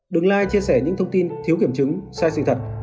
đừng lại chia sẻ những thông tin thiếu kiểm chứng sai sự thật